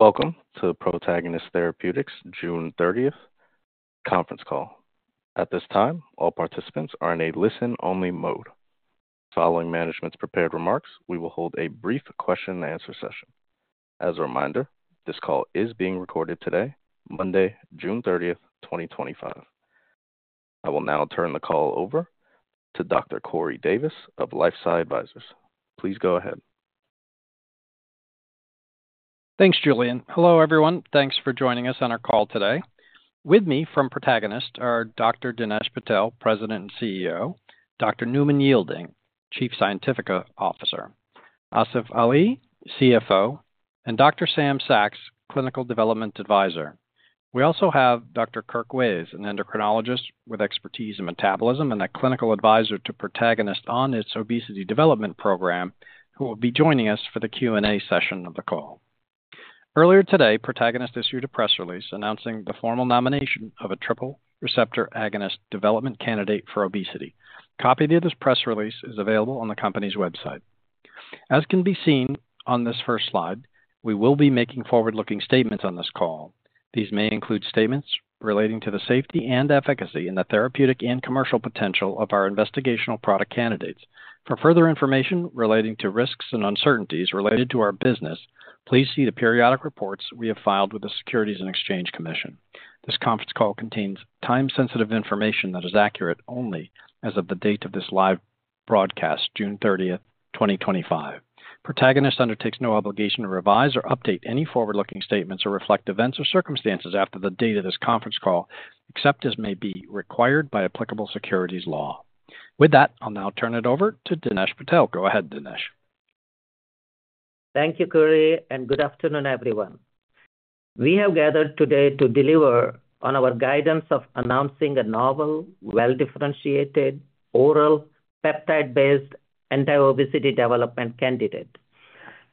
Welcome to the Protagonist Therapeutics June 30th conference call. At this time, all participants are in a listen-only mode. Following management's prepared remarks, we will hold a brief question-and-answer session. As a reminder, this call is being recorded today, Monday, June 30th, 2025. I will now turn the call over to Dr. Corey Davis of LifeSci Advisors. Please go ahead. Thanks, Julian. Hello, everyone. Thanks for joining us on our call today. With me from Protagonist are Dr. Dinesh Patel, President and CEO; Dr. Newman Yeilding, Chief Scientific Officer; Asif Ali, CFO; and Dr. Sam Saks, Clinical Development Advisor. We also have Dr. Kirk Ways, an endocrinologist with expertise in metabolism and a clinical advisor to Protagonist on its obesity development program, who will be joining us for the Q&A session of the call. Earlier today, Protagonist issued a press release announcing the formal nomination of a triple receptor agonist development candidate for obesity. A copy of this press release is available on the company's website. As can be seen on this first slide, we will be making forward-looking statements on this call. These may include statements relating to the safety and efficacy and the therapeutic and commercial potential of our investigational product candidates. For further information relating to risks and uncertainties related to our business, please see the periodic reports we have filed with the Securities and Exchange Commission. This conference call contains time-sensitive information that is accurate only as of the date of this live broadcast, June 30th, 2025. Protagonist undertakes no obligation to revise or update any forward-looking statements or reflect events or circumstances after the date of this conference call, except as may be required by applicable securities law. With that, I'll now turn it over to Dinesh Patel. Go ahead, Dinesh. Thank you, Corey, and good afternoon, everyone. We have gathered today to deliver on our guidance of announcing a novel, well-differentiated, oral peptide-based anti-obesity development candidate.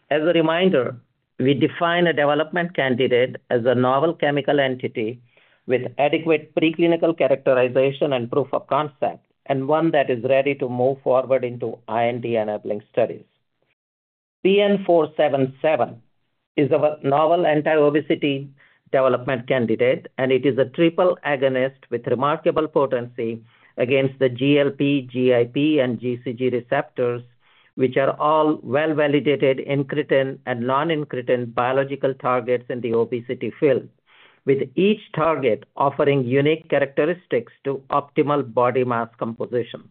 As a reminder, we define a development candidate as a novel chemical entity with adequate preclinical characterization and proof of concept, and one that is ready to move forward into IND enabling studies. PN-477 is a novel anti-obesity development candidate, and it is a triple agonist with remarkable potency against the GLP, GIP, and GCG receptors, which are all well-validated, incretin, and non-incretin biological targets in the obesity field, with each target offering unique characteristics to optimal body mass composition.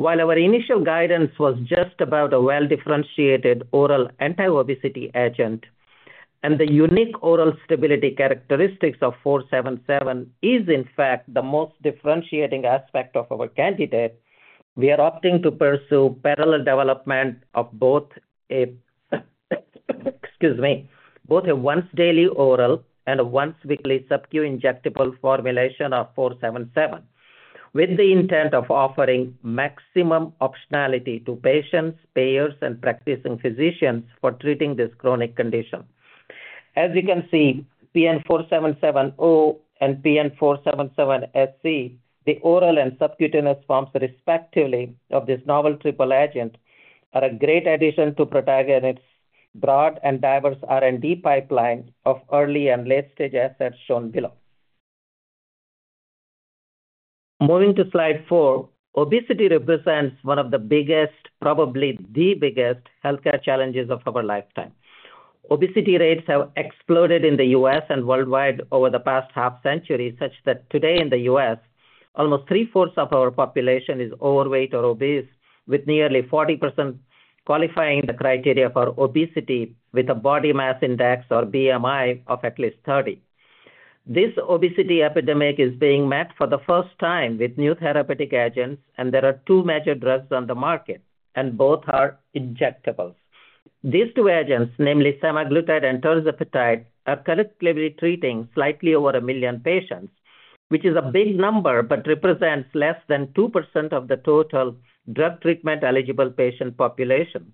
While our initial guidance was just about a well-differentiated oral anti-obesity agent, and the unique oral stability characteristics of PN-477 is, in fact, the most differentiating aspect of our candidate, we are opting to pursue parallel development of both a—excuse me—both a once-daily oral and a once-weekly subcu injectable formulation of PN-477, with the intent of offering maximum optionality to patients, payers, and practicing physicians for treating this chronic condition. As you can see, PN-477O and PN-477SC, the oral and subcutaneous forms, respectively, of this novel triple agent are a great addition to Protagonist's broad and diverse R&D pipeline of early and late-stage assets shown below. Moving to slide four, obesity represents one of the biggest, probably the biggest, healthcare challenges of our lifetime. Obesity rates have exploded in the U.S. and worldwide over the past half century, such that today in the U.S., almost three-fourths of our population is overweight or obese, with nearly 40% qualifying the criteria for obesity with a body mass index or BMI of at least 30%. This obesity epidemic is being met for the first time with new therapeutic agents, and there are two major drugs on the market, and both are injectables. These two agents, namely semaglutide and Tirzepatide, are collectively treating slightly over a million patients, which is a big number but represents less than 2% of the total drug treatment-eligible patient population,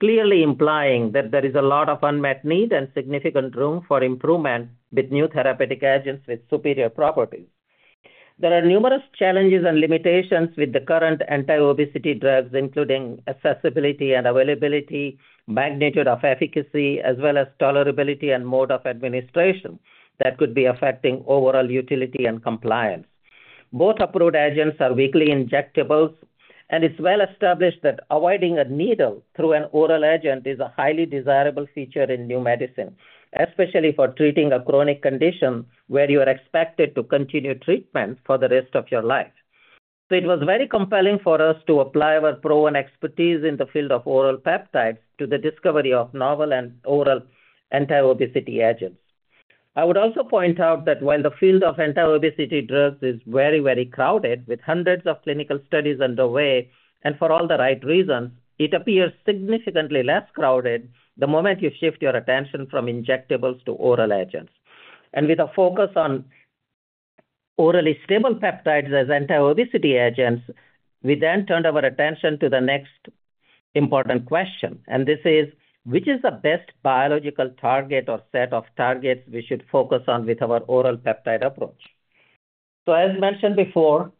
clearly implying that there is a lot of unmet need and significant room for improvement with new therapeutic agents with superior properties. There are numerous challenges and limitations with the current anti-obesity drugs, including accessibility and availability, magnitude of efficacy, as well as tolerability and mode of administration that could be affecting overall utility and compliance. Both approved agents are weekly injectables, and it's well established that avoiding a needle through an oral agent is a highly desirable feature in new medicine, especially for treating a chronic condition where you are expected to continue treatment for the rest of your life. It was very compelling for us to apply our proven expertise in the field of oral peptides to the discovery of novel and oral anti-obesity agents. I would also point out that while the field of anti-obesity drugs is very, very crowded, with hundreds of clinical studies underway and for all the right reasons, it appears significantly less crowded the moment you shift your attention from injectables to oral agents. With a focus on orally stable peptides as anti-obesity agents, we then turned our attention to the next important question, and this is: which is the best biological target or set of targets we should focus on with our oral peptide approach? As mentioned before,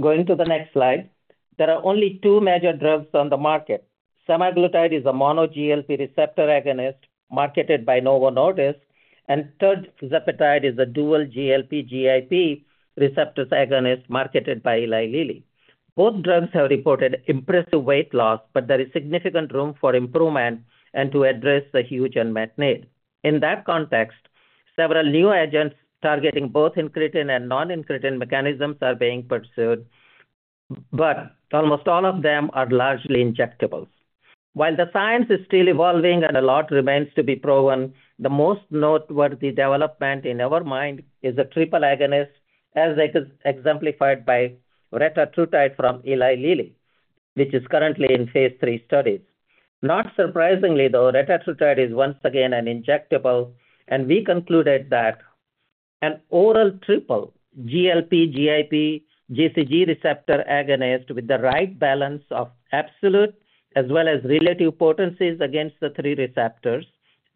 going to the next slide, there are only two major drugs on the market. Semaglutide is a mono GLP receptor agonist marketed by Novo Nordisk, and Tirzepatide is a dual GLP/GIP receptor agonist marketed by Eli Lilly. Both drugs have reported impressive weight loss, but there is significant room for improvement and to address the huge unmet need. In that context, several new agents targeting both incretin and non-incretin mechanisms are being pursued, but almost all of them are largely injectables. While the science is still evolving and a lot remains to be proven, the most noteworthy development in our mind is a triple agonist, as exemplified by Retatrutide from Eli Lilly, which is currently in phase three studies. Not surprisingly, though, Retatrutide is once again an injectable, and we concluded that an oral triple GLP, GIP, GCG receptor agonist with the right balance of absolute as well as relative potencies against the three receptors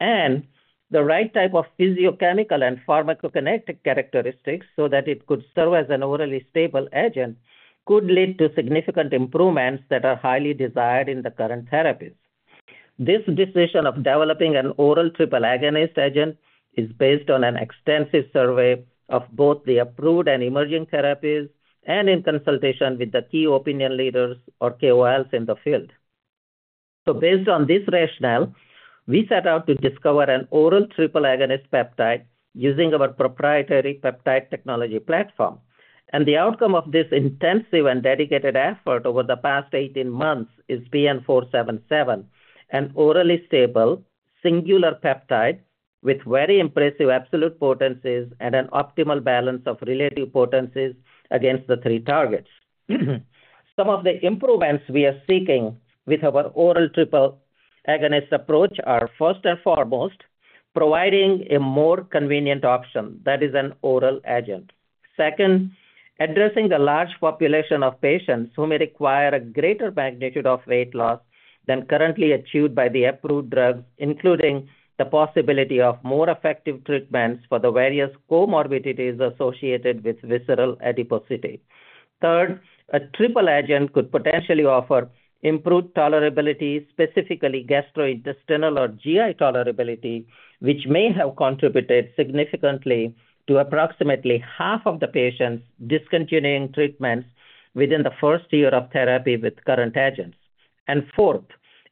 and the right type of physiochemical and pharmacokinetic characteristics so that it could serve as an orally stable agent could lead to significant improvements that are highly desired in the current therapies. This decision of developing an oral triple agonist agent is based on an extensive survey of both the approved and emerging therapies and in consultation with the key opinion leaders or KOLs in the field. Based on this rationale, we set out to discover an oral triple agonist peptide using our proprietary peptide technology platform. The outcome of this intensive and dedicated effort over the past 18 months is PN-477, an orally stable singular peptide with very impressive absolute potencies and an optimal balance of relative potencies against the three targets. Some of the improvements we are seeking with our oral triple agonist approach are, first and foremost, providing a more convenient option that is an oral agent. Second, addressing the large population of patients who may require a greater magnitude of weight loss than currently achieved by the approved drugs, including the possibility of more effective treatments for the various comorbidities associated with visceral adiposity. Third, a triple agent could potentially offer improved tolerability, specifically gastrointestinal or GI tolerability, which may have contributed significantly to approximately half of the patients discontinuing treatments within the first year of therapy with current agents. Fourth,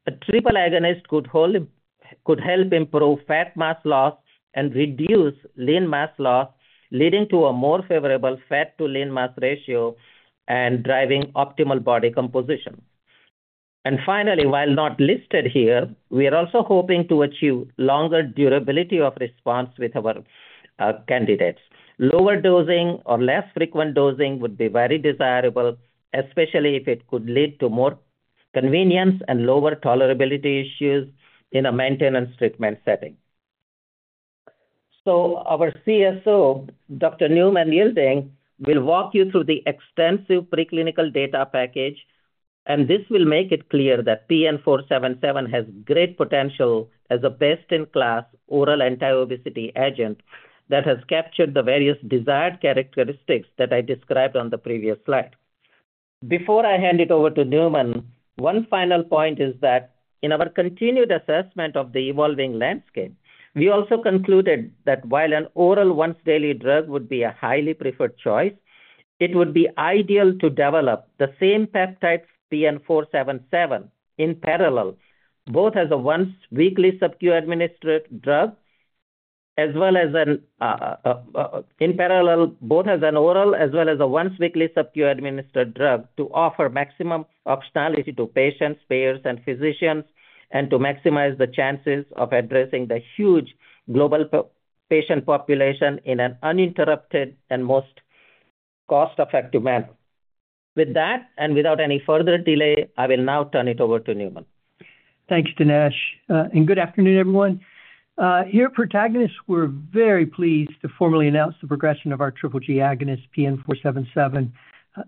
a triple agonist could help improve fat mass loss and reduce lean mass loss, leading to a more favorable fat-to-lean mass ratio and driving optimal body composition. Finally, while not listed here, we are also hoping to achieve longer durability of response with our candidates. Lower dosing or less frequent dosing would be very desirable, especially if it could lead to more convenience and lower tolerability issues in a maintenance treatment setting. Our CSO, Dr. Newman Yeilding will walk you through the extensive preclinical data package, and this will make it clear that PN477 has great potential as a best-in-class oral anti-obesity agent that has captured the various desired characteristics that I described on the previous slide. Before I hand it over to Newman, one final point is that in our continued assessment of the evolving landscape, we also concluded that while an oral once-daily drug would be a highly preferred choice, it would be ideal to develop the same peptides, PN477, in parallel, both as a once-weekly subcu-administered drug as well as an oral, as well as a once-weekly subcu-administered drug to offer maximum optionality to patients, payers, and physicians, and to maximize the chances of addressing the huge global patient population in an uninterrupted and most cost-effective manner. With that, and without any further delay, I will now turn it over to Newman. Thank you, Dinesh. Good afternoon, everyone. Here at Protagonist, we're very pleased to formally announce the progression of our triple G agonist, PN-477,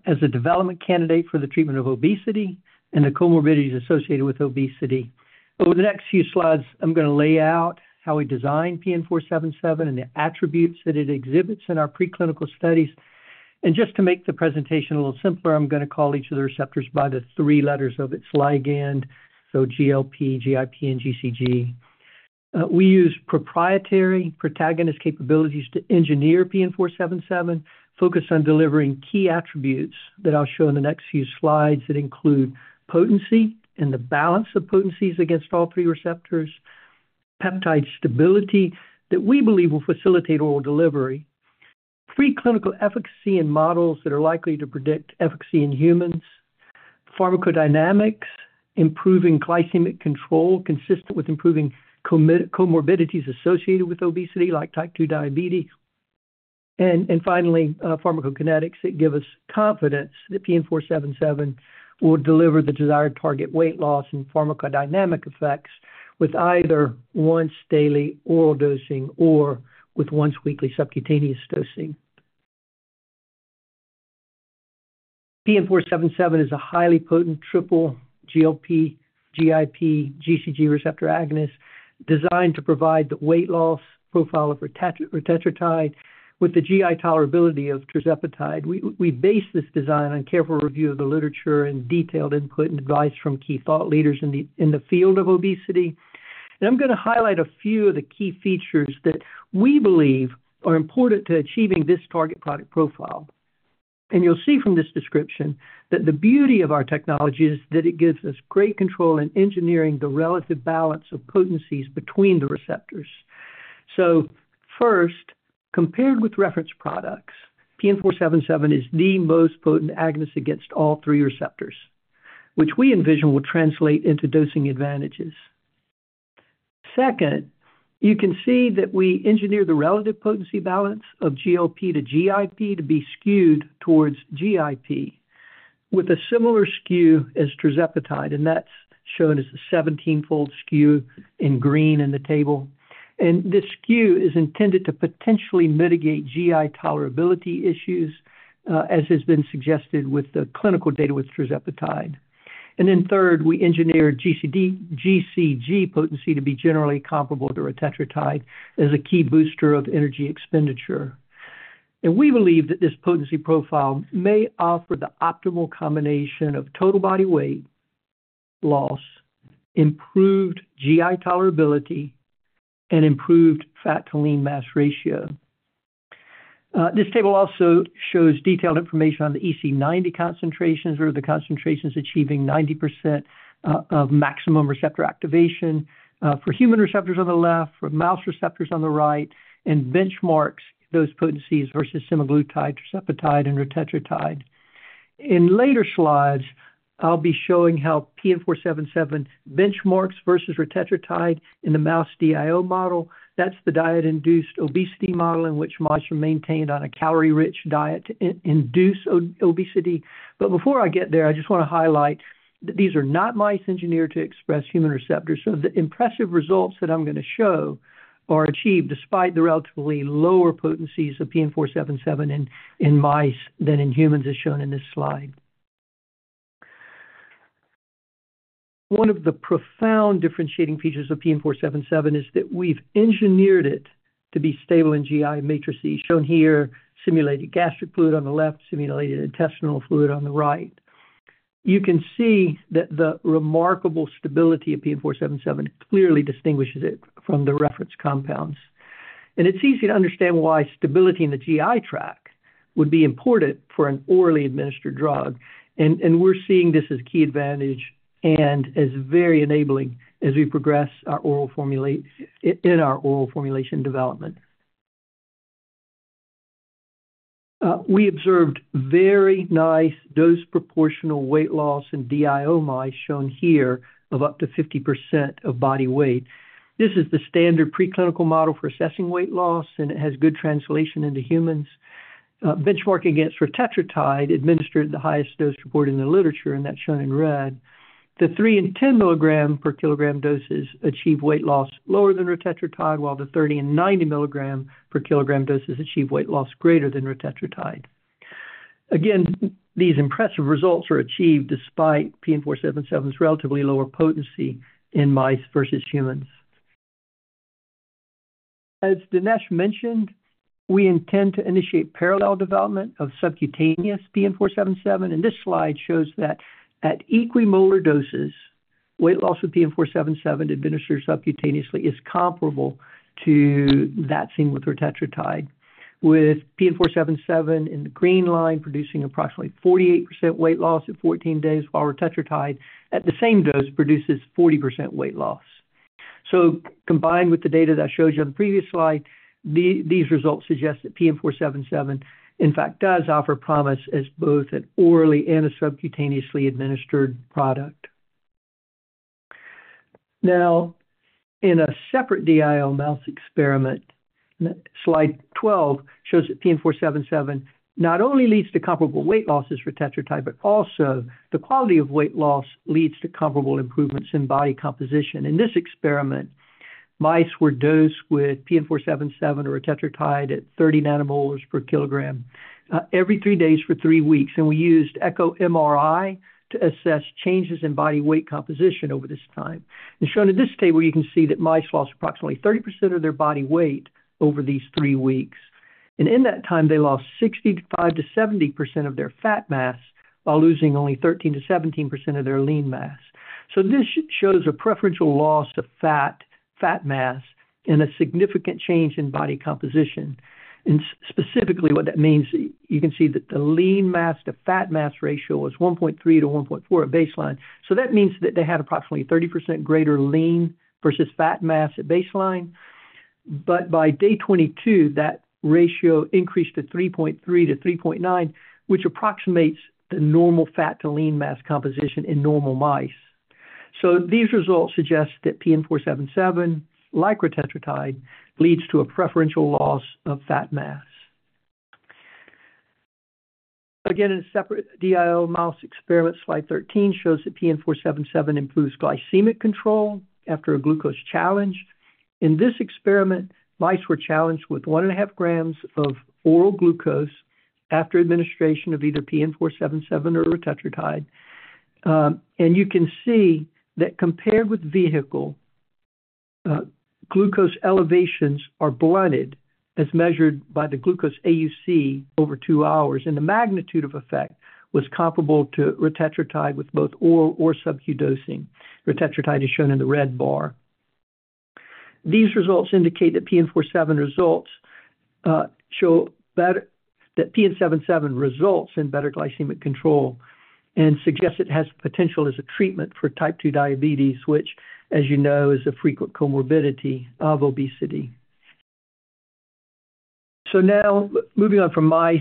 as a development candidate for the treatment of obesity and the comorbidities associated with obesity. Over the next few slides, I'm going to lay out how we designed PN-477 and the attributes that it exhibits in our preclinical studies. Just to make the presentation a little simpler, I'm going to call each of the receptors by the three letters of its ligand, so GLP, GIP, and GCG. We use proprietary Protagonist capabilities to engineer PN-477, focus on delivering key attributes that I'll show in the next few slides that include potency and the balance of potencies against all three receptors, peptide stability that we believe will facilitate oral delivery, preclinical efficacy in models that are likely to predict efficacy in humans, pharmacodynamics, improving glycemic control consistent with improving comorbidities associated with obesity like type II diabetes, and finally, pharmacokinetics that give us confidence that PN-477 will deliver the desired target weight loss and pharmacodynamic effects with either once-daily oral dosing or with once-weekly subcutaneous dosing. PN-477 is a highly potent triple GLP, GIP, GCG receptor agonist designed to provide the weight loss profile of Retatrutide with the GI tolerability of Tirzepatide. We base this design on careful review of the literature and detailed input and advice from key thought leaders in the field of obesity. I'm going to highlight a few of the key features that we believe are important to achieving this target product profile. You'll see from this description that the beauty of our technology is that it gives us great control in engineering the relative balance of potencies between the receptors. First, compared with reference products, PN477 is the most potent agonist against all three receptors, which we envision will translate into dosing advantages. Second, you can see that we engineer the relative potency balance of GLP to GIP to be skewed towards GIP with a similar skew as Tirzepatide, and that's shown as a 17-fold skew in green in the table. This skew is intended to potentially mitigate GI tolerability issues, as has been suggested with the clinical data with Tirzepatide. Third, we engineer GCG potency to be generally comparable to Retatrutide as a key booster of energy expenditure. We believe that this potency profile may offer the optimal combination of total body weight loss, improved GI tolerability, and improved fat-to-lean mass ratio. This table also shows detailed information on the EC90 concentrations, or the concentrations achieving 90% of maximum receptor activation, for human receptors on the left, for mouse receptors on the right, and benchmarks those potencies versus Semaglutide, Torsemide, and Retatrutide. In later slides, I'll be showing how PN-477 benchmarks versus Retatrutide in the mouse DIO model. That is the diet-induced obesity model in which mice are maintained on a calorie-rich diet to induce obesity. Before I get there, I just want to highlight that these are not mice engineered to express human receptors. The impressive results that I'm going to show are achieved despite the relatively lower potencies of PN-477 in mice than in humans, as shown in this slide. One of the profound differentiating features of PN-477 is that we've engineered it to be stable in GI matrices, shown here, simulated gastric fluid on the left, simulated intestinal fluid on the right. You can see that the remarkable stability of PN-477 clearly distinguishes it from the reference compounds. It's easy to understand why stability in the GI tract would be important for an orally administered drug. We're seeing this as a key advantage and as very enabling as we progress in our oral formulation development. We observed very nice dose-proportional weight loss in DIO mice, shown here, of up to 50% of body weight. This is the standard preclinical model for assessing weight loss, and it has good translation into humans. Benchmarking against Retatrutide administered at the highest dose reported in the literature, and that's shown in red. The three and 10 milligram per kilogram doses achieve weight loss lower than Retatrutide, while the 30 mg and 90 mg per kilogram doses achieve weight loss greater than Retatrutide. Again, these impressive results are achieved despite PN-477's relatively lower potency in mice versus humans. As Dinesh mentioned, we intend to initiate parallel development of subcutaneous PN--477. This slide shows that at equimolar doses, weight loss with PN477 administered subcutaneously is comparable to that seen with Retatrutide, with PN-477 in the green line producing approximately 48% weight loss at 14 days, while Retatrutide at the same dose produces 40% weight loss. Combined with the data that I showed you on the previous slide, these results suggest that PN-477, in fact, does offer promise as both an orally and a subcutaneously administered product. Now, in a separate DIO mouse experiment, slide 12 shows that PN-477 not only leads to comparable weight losses with Retatrutide, but also the quality of weight loss leads to comparable improvements in body composition. In this experiment, mice were dosed with PN-477 or Retatrutide at 30 nmol per kilogram every three days for three weeks. We used echo MRI to assess changes in body weight composition over this time. Shown in this table, you can see that mice lost approximately 30% of their body weight over these three weeks. In that time, they lost 65%-70% of their fat mass while losing only 13%-17% of their lean mass. This shows a preferential loss of fat mass and a significant change in body composition. Specifically, what that means, you can see that the lean mass to fat mass ratio was 1.3 to 1.4 at baseline. That means that they had approximately 30% greater lean versus fat mass at baseline. By day 22, that ratio increased to 3.3 to 3.9, which approximates the normal fat-to-lean mass composition in normal mice. These results suggest that PN-477-like Retatrutide leads to a preferential loss of fat mass. Again, in a separate DIO mouse experiment, slide 13 shows that PN-477 improves glycemic control after a glucose challenge. In this experiment, mice were challenged with 1.5 gm of oral glucose after administration of either PN-477 or Retatrutide. You can see that compared with vehicle, glucose elevations are blunted as measured by the glucose AUC over two hours. The magnitude of effect was comparable to Retatrutide with both oral or subcu dosing. Retatrutide is shown in the red bar. These results indicate that PN-477 results in better glycemic control and suggests it has potential as a treatment for type II diabetes, which, as you know, is a frequent comorbidity of obesity. Now, moving on from mice,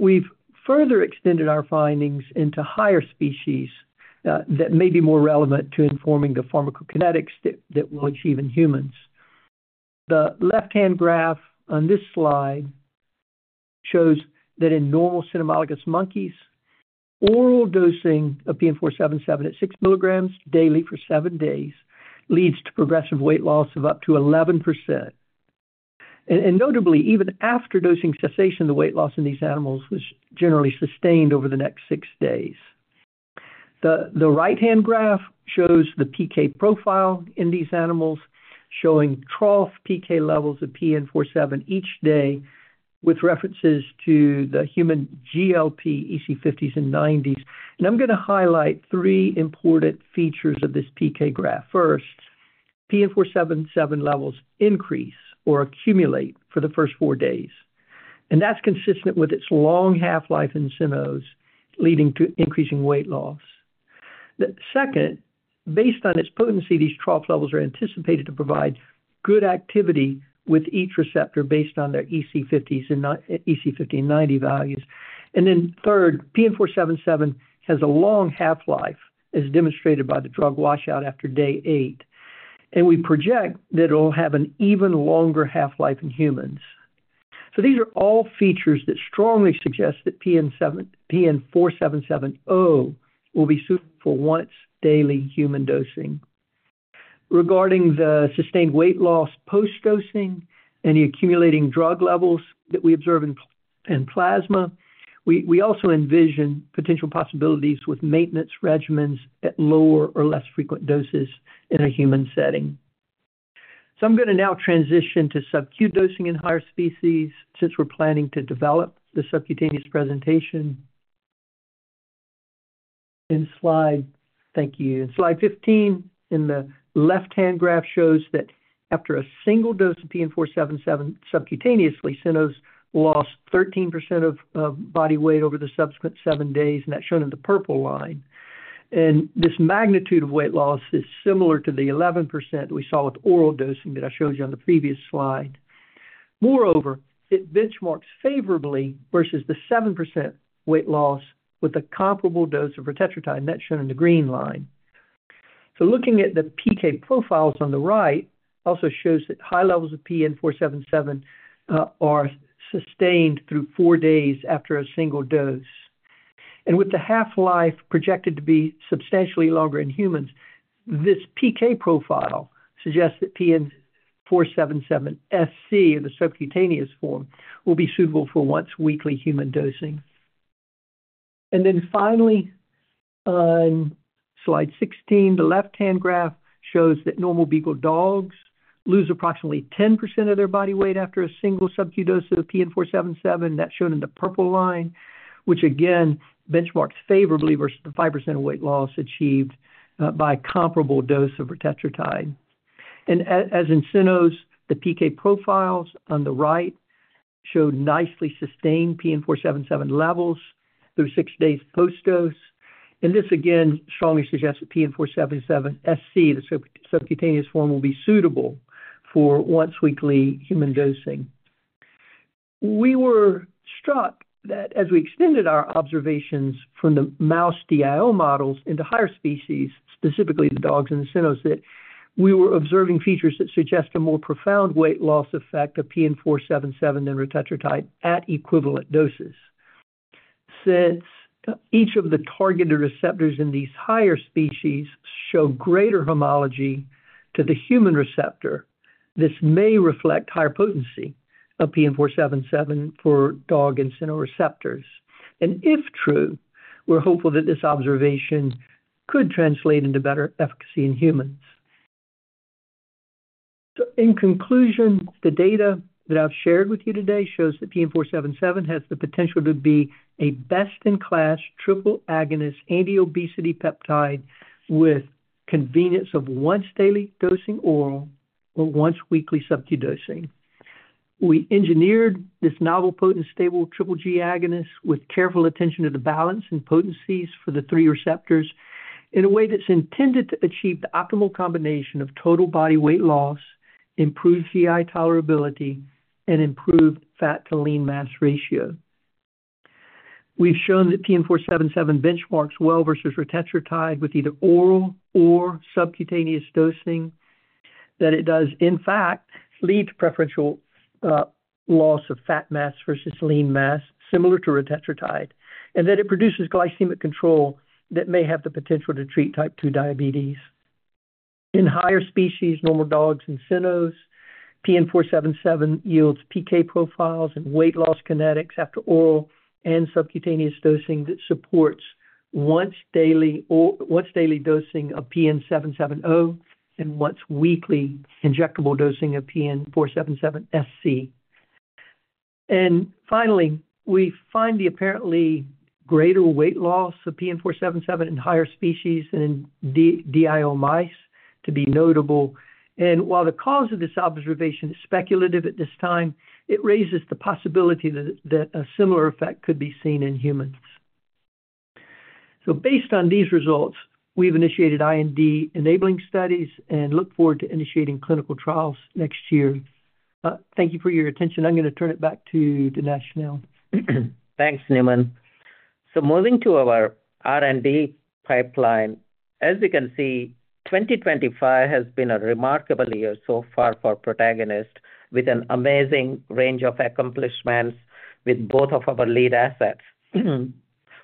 we've further extended our findings into higher species that may be more relevant to informing the pharmacokinetics that we'll achieve in humans. The left-hand graph on this slide shows that in normal cynomolgus monkeys, oral dosing of PN-477 at 6 mg daily for seven days leads to progressive weight loss of up to 11%. Notably, even after dosing cessation, the weight loss in these animals was generally sustained over the next six days. The right-hand graph shows the PK profile in these animals, showing trough PK levels of PN-477 each day with references to the human GLP EC50s and GLP EC90s. I'm going to highlight three important features of this PK graph. First, PN-477 levels increase or accumulate for the first four days. That's consistent with its long half-life in Cynos, leading to increasing weight loss. Second, based on its potency, these trough levels are anticipated to provide good activity with each receptor based on their EC50s and EC50 and EC90 values. Third, PN-477 has a long half-life, as demonstrated by the drug washout after day eight. We project that it'll have an even longer half-life in humans. These are all features that strongly suggest that PN-477O will be suitable for once-daily human dosing. Regarding the sustained weight loss post-dosing and the accumulating drug levels that we observe in plasma, we also envision potential possibilities with maintenance regimens at lower or less frequent doses in a human setting. I'm going to now transition to subcu dosing in higher species since we're planning to develop the subcutaneous presentation. Slide, thank you. Slide 15 in the left-hand graph shows that after a single dose of PN-477 subcutaneously, Cynos lost 13% of body weight over the subsequent seven days, and that's shown in the purple line. This magnitude of weight loss is similar to the 11% we saw with oral dosing that I showed you on the previous slide. Moreover, it benchmarks favorably versus the 7% weight loss with a comparable dose of Retatrutide, and that's shown in the green line. Looking at the PK profiles on the right also shows that high levels of PN-477 are sustained through four days after a single dose. With the half-life projected to be substantially longer in humans, this PK profile suggests that PN-477 SC in the subcutaneous form will be suitable for once-weekly human dosing. Finally, on slide 16, the left-hand graph shows that normal beagle dogs lose approximately 10% of their body weight after a single subcu dose of PN-477, and that's shown in the purple line, which again benchmarks favorably versus the 5% weight loss achieved by a comparable dose of Retatrutide. As in Cynos, the PK profiles on the right showed nicely sustained PN-477 levels through six days post-dose. This again strongly suggests that PN-477 SC, the subcutaneous form, will be suitable for once-weekly human dosing. We were struck that as we extended our observations from the mouse DIO models into higher species, specifically the dogs and the Cynos, that we were observing features that suggest a more profound weight loss effect of PN-477 than Retatrutide at equivalent doses. Since each of the targeted receptors in these higher species show greater homology to the human receptor, this may reflect higher potency of PN-477 for DOG and Cyno receptors. If true, we're hopeful that this observation could translate into better efficacy in humans. In conclusion, the data that I've shared with you today shows that PN-477 has the potential to be a best-in-class triple agonist anti-obesity peptide with convenience of once-daily dosing oral or once-weekly subcu dosing. We engineered this novel potent stable triple G agonist with careful attention to the balance and potencies for the three receptors in a way that's intended to achieve the optimal combination of total body weight loss, improved GI tolerability, and improved fat-to-lean mass ratio. We've shown that PN-477 benchmarks well versus Retatrutide with either oral or subcutaneous dosing, that it does, in fact, lead to preferential loss of fat mass versus lean mass, similar to Retatrutide, and that it produces glycemic control that may have the potential to treat type II diabetes. In higher species, normal DOGs and Cynos, PN-477 yields PK profiles and weight loss kinetics after oral and subcutaneous dosing that supports once-daily dosing of PN-477O and once-weekly injectable dosing of PN-477 SC. Finally, we find the apparently greater weight loss of PN-477 in higher species and in DIO mice to be notable. While the cause of this observation is speculative at this time, it raises the possibility that a similar effect could be seen in humans. Based on these results, we've initiated IND enabling studies and look forward to initiating clinical trials next year. Thank you for your attention. I'm going to turn it back to Dinesh now. Thanks, Newman. Moving to our R&D pipeline, as you can see, 2025 has been a remarkable year so far for Protagonist with an amazing range of accomplishments with both of our lead assets.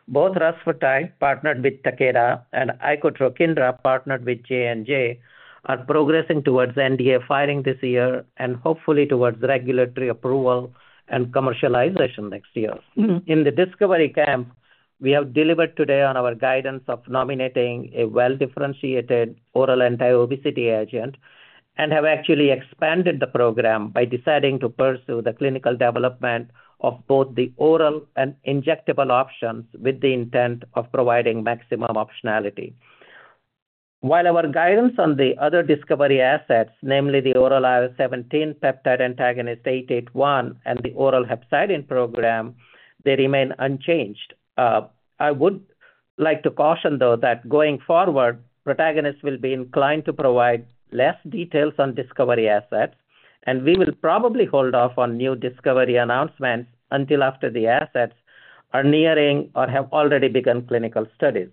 Both Rusfertide partnered with Takeda and Icotrokinra partnered with J&J are progressing towards NDA filing this year and hopefully towards regulatory approval and commercialization next year. In the discovery camp, we have delivered today on our guidance of nominating a well-differentiated oral anti-obesity agent and have actually expanded the program by deciding to pursue the clinical development of both the oral and injectable options with the intent of providing maximum optionality. While our guidance on the other discovery assets, namely the oral IO17 peptide antagonist 881 and the oral hepcidin program, they remain unchanged. I would like to caution, though, that going forward, Protagonist will be inclined to provide less details on discovery assets, and we will probably hold off on new discovery announcements until after the assets are nearing or have already begun clinical studies.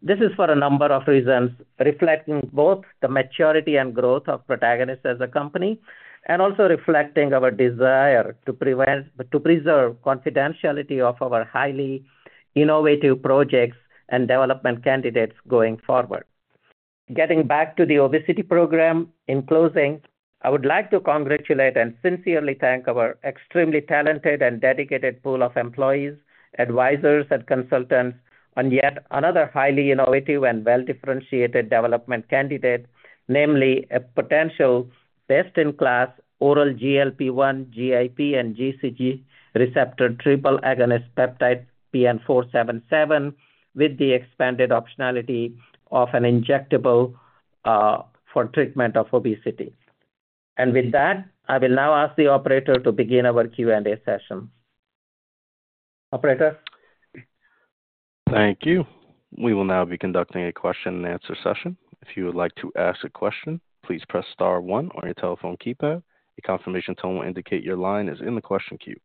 This is for a number of reasons, reflecting both the maturity and growth of Protagonist as a company and also reflecting our desire to preserve confidentiality of our highly innovative projects and development candidates going forward. Getting back to the obesity program, in closing, I would like to congratulate and sincerely thank our extremely talented and dedicated pool of employees, advisors, and consultants on yet another highly innovative and well-differentiated development candidate, namely a potential best-in-class oral GLP-1, GIP, and GCG receptor triple agonist peptide PN-477 with the expanded optionality of an injectable for treatment of obesity. With that, I will now ask the operator to begin our Q&A session. Operator. Thank you. We will now be conducting a question-and-answer session. If you would like to ask a question, please press star one on your telephone keypad. A confirmation tone will indicate your line is in the question queue.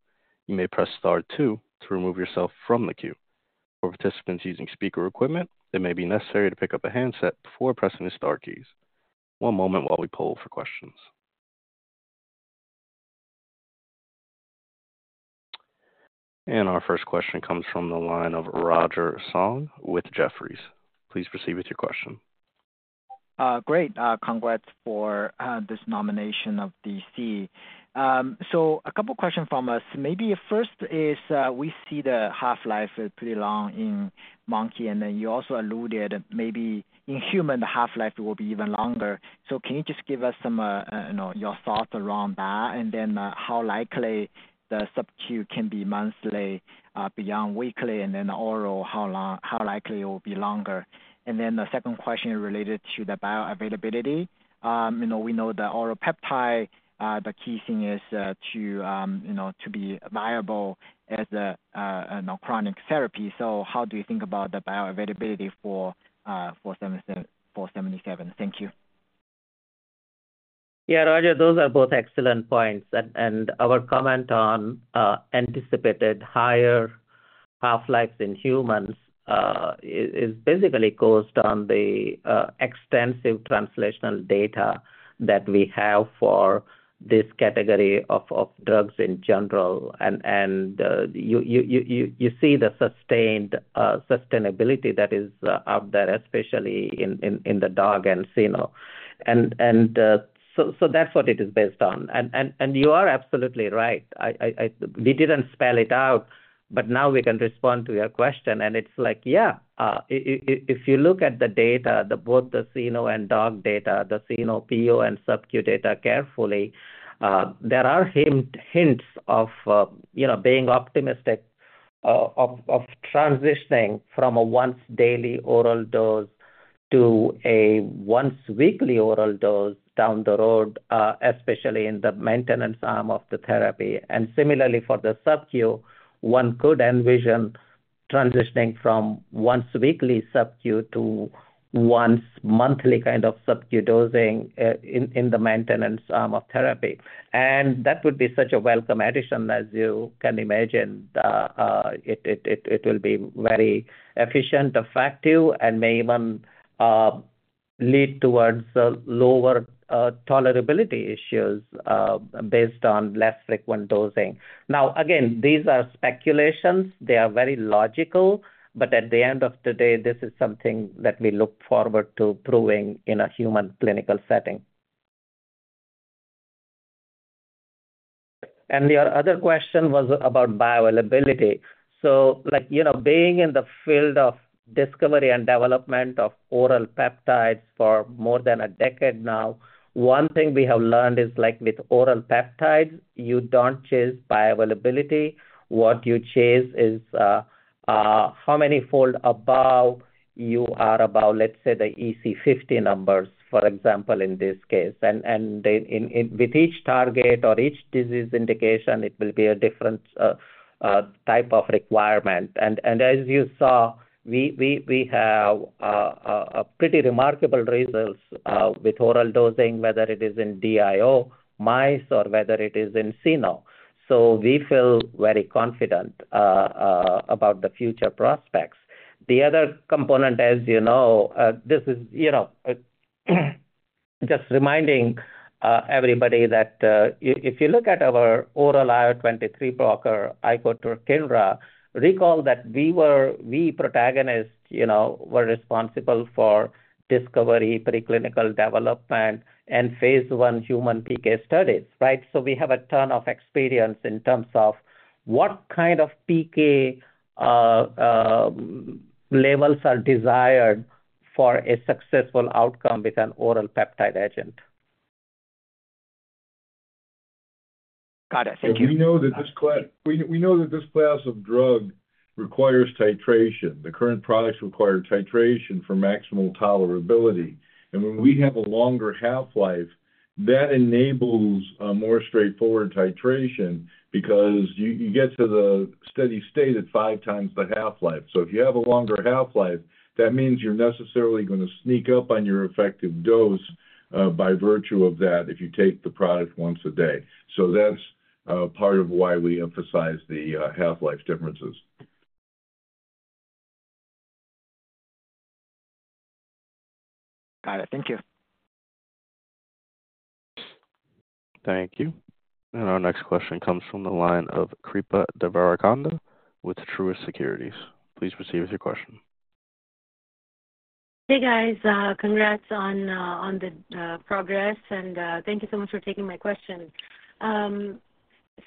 You may press star two to remove yourself from the queue. For participants using speaker equipment, it may be necessary to pick up a handset before pressing the star keys. One moment while we poll for questions. Our first question comes from the line of Roger Song with Jefferies. Please proceed with your question. Great. Congrats for this nomination of DC. A couple of questions from us. Maybe first is we see the half-life pretty long in monkey, and then you also alluded maybe in human, the half-life will be even longer. Can you just give us some of your thoughts around that and how likely the subcu can be monthly, beyond weekly, and then oral, how likely it will be longer? The second question related to the bioavailability. We know the oral peptide, the key thing is to be viable as a chronic therapy. How do you think about the bioavailability for PN-477? Thank you. Yeah, Roger, those are both excellent points. Our comment on anticipated higher half-lives in humans is basically caused on the extensive translational data that we have for this category of drugs in general. You see the sustained sustainability that is out there, especially in the DOG and Cyno. That is what it is based on. You are absolutely right. We did not spell it out, but now we can respond to your question. It is like, yeah, if you look at the data, both the Cyno and DOG data, the Cyno PO and subcu data carefully, there are hints of being optimistic of transitioning from a once-daily oral dose to a once-weekly oral dose down the road, especially in the maintenance arm of the therapy. Similarly, for the subcu, one could envision transitioning from once-weekly subcu to once-monthly kind of subcu dosing in the maintenance arm of therapy. That would be such a welcome addition, as you can imagine. It will be very efficient, effective, and may even lead towards lower tolerability issues based on less frequent dosing. Now, again, these are speculations. They are very logical, but at the end of the day, this is something that we look forward to proving in a human clinical setting. Your other question was about bioavailability. Being in the field of discovery and development of oral peptides for more than a decade now, one thing we have learned is with oral peptides, you do not chase bioavailability. What you chase is how many fold above you are about, let's say, the EC50 numbers, for example, in this case. With each target or each disease indication, it will be a different type of requirement. As you saw, we have pretty remarkable results with oral dosing, whether it is in DIO mice or whether it is in Cyno. We feel very confident about the future prospects. The other component, you know, this is just reminding everybody that if you look at our oral IO23 blocker, Icotrokinra, recall that we at Protagonist were responsible for discovery, preclinical development, and phase one human PK studies, right? We have a ton of experience in terms of what kind of PK levels are desired for a successful outcome with an oral peptide agent. Got it. Thank you. We know that this class of drug requires titration. The current products require titration for maximal tolerability. When we have a longer half-life, that enables a more straightforward titration because you get to the steady state at five times the half-life. If you have a longer half-life, that means you're necessarily going to sneak up on your effective dose by virtue of that if you take the product once a day. That's part of why we emphasize the half-life differences. Got it. Thank you. Thank you. Our next question comes from the line of Kipra Devarakonda with Truist Securities. Please proceed with your question. Hey, guys. Congrats on the progress, and thank you so much for taking my question.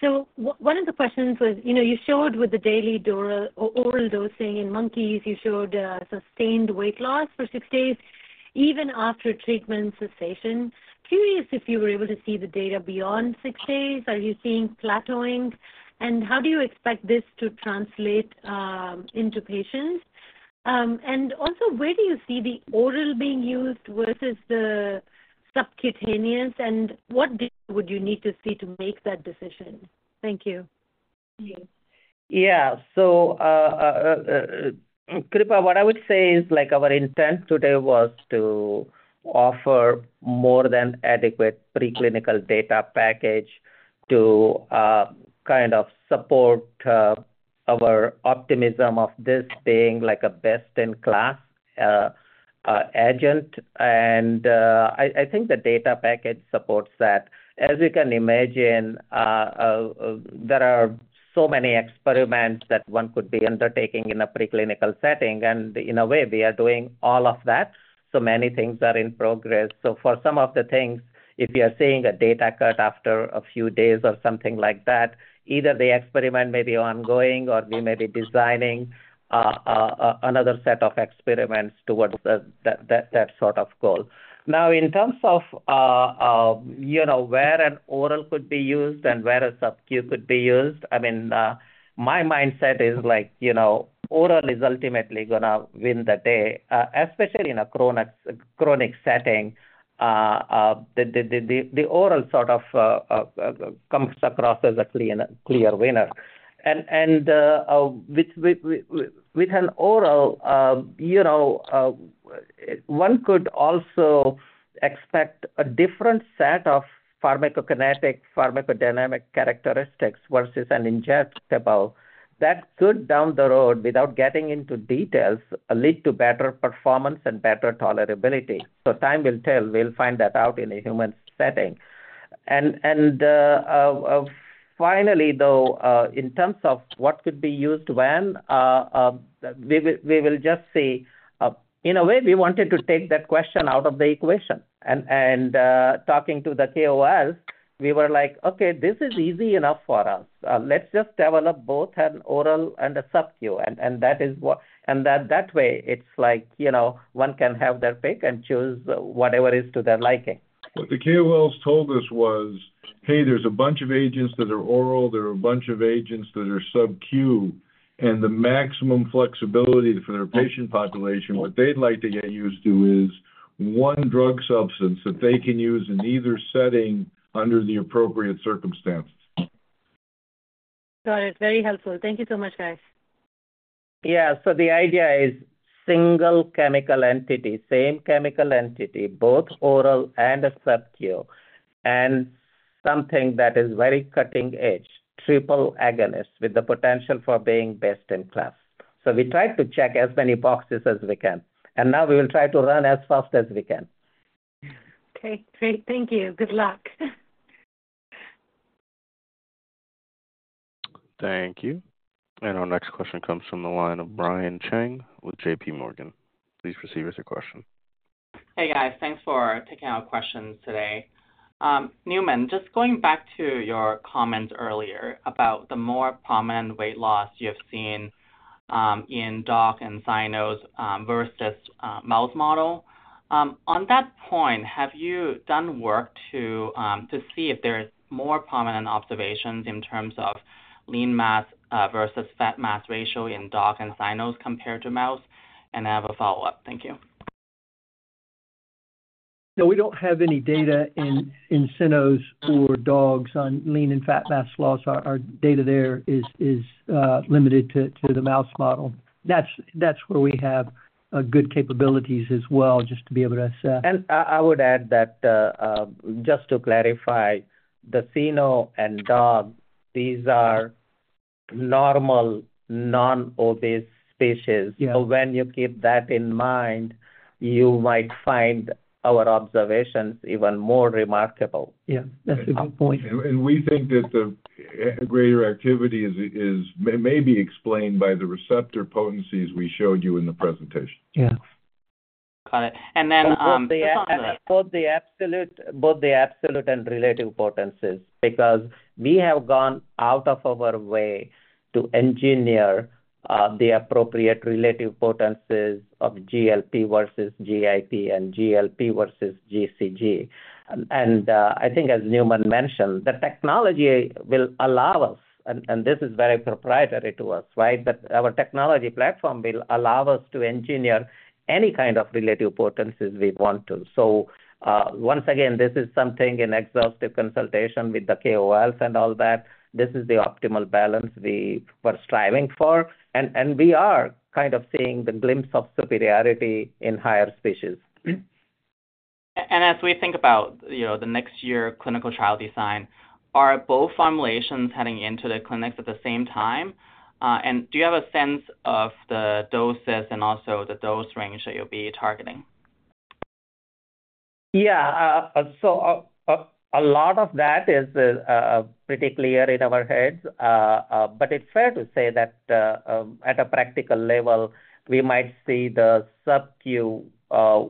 One of the questions was you showed with the daily oral dosing in monkeys, you showed sustained weight loss for six days even after treatment cessation. Curious if you were able to see the data beyond six days. Are you seeing plateauing? How do you expect this to translate into patients? Also, where do you see the oral being used versus the subcutaneous? What data would you need to see to make that decision? Thank you. Yeah. Kipra, what I would say is our intent today was to offer more than adequate preclinical data package to kind of support our optimism of this being a best-in-class agent. I think the data package supports that. As you can imagine, there are so many experiments that one could be undertaking in a preclinical setting. In a way, we are doing all of that. So many things are in progress. For some of the things, if you're seeing a data cut after a few days or something like that, either the experiment may be ongoing or we may be designing another set of experiments towards that sort of goal. Now, in terms of where an oral could be used and where a subcu could be used, I mean, my mindset is oral is ultimately going to win the day, especially in a chronic setting. The oral sort of comes across as a clear winner. With an oral, one could also expect a different set of pharmacokinetic, pharmacodynamic characteristics versus an injectable that could, down the road, without getting into details, lead to better performance and better tolerability. Time will tell. We'll find that out in a human setting. Finally, though, in terms of what could be used when, we will just see. In a way, we wanted to take that question out of the equation. Talking to the KOLs, we were like, "Okay, this is easy enough for us. Let's just develop both an oral and a subcu." That way, it's like one can have their pick and choose whatever is to their liking. What the KOLs told us was, "Hey, there's a bunch of agents that are oral. There are a bunch of agents that are subcu." The maximum flexibility for their patient population, what they'd like to get used to is one drug substance that they can use in either setting under the appropriate circumstances. Got it. Very helpful. Thank you so much, guys. Yeah. The idea is single chemical entity, same chemical entity, both oral and a subcu, and something that is very cutting-edge, triple agonist with the potential for being best in class. We tried to check as many boxes as we can. Now we will try to run as fast as we can. Okay. Great. Thank you. Good luck. Thank you. Our next question comes from the line of Brian Chang with JP Morgan. Please proceed with your question. Hey, guys. Thanks for taking our questions today. Newman, just going back to your comments earlier about the more prominent weight loss you have seen in DOG and Cynos versus mouse model, on that point, have you done work to see if there are more prominent observations in terms of lean mass versus fat mass ratio in dog and sino compared to mouse? I have a follow-up. Thank you. No, we don't have any data in Cynos or dogs on lean and fat mass loss. Our data there is limited to the mouse model. That's where we have good capabilities as well, just to be able to assess. I would add that just to clarify, the sino and dog, these are normal non-obese species. When you keep that in mind, you might find our observations even more remarkable. Yeah. That's a good point. We think that the greater activity is maybe explained by the receptor potencies we showed you in the presentation. Yeah. Got it. And then. Both the absolute and relative potencies because we have gone out of our way to engineer the appropriate relative potencies of GLP versus GIP and GLP versus GCG. I think, as Newman mentioned, the technology will allow us, and this is very proprietary to us, right? Our technology platform will allow us to engineer any kind of relative potencies we want to. Once again, this is something in exhaustive consultation with the KOLs and all that. This is the optimal balance we were striving for. We are kind of seeing the glimpse of superiority in higher species. As we think about the next year clinical trial design, are both formulations heading into the clinics at the same time? Do you have a sense of the doses and also the dose range that you'll be targeting? Yeah. A lot of that is pretty clear in our heads. But it's fair to say that at a practical level, we might see the subcu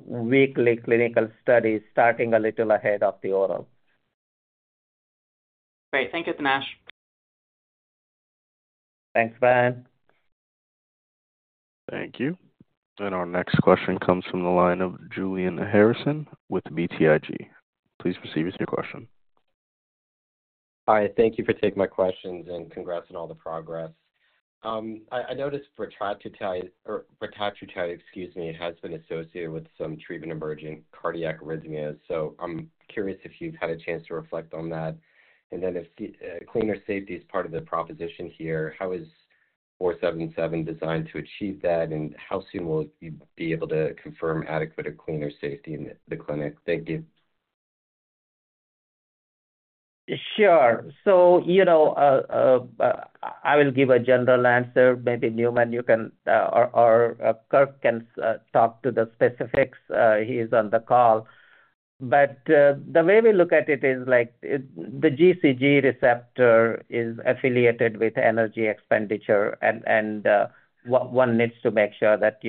weekly clinical studies starting a little ahead of the oral. Great. Thank you, Dinesh. Thanks, Brian. Thank you. Our next question comes from the line of Julian Harrison with BTIG. Please proceed with your question. Hi. Thank you for taking my questions and congrats on all the progress. I noticed Tirzepatide, excuse me, has been associated with some treatment-emerging cardiac arrhythmias. I am curious if you've had a chance to reflect on that. If cleaner safety is part of the proposition here, how is PN-477 designed to achieve that? How soon will you be able to confirm adequate cleaner safety in the clinic? Thank you. Sure. I will give a general answer. Maybe Newman or Kirk can talk to the specifics. He's on the call. The way we look at it is the GCG receptor is affiliated with energy expenditure, and one needs to make sure that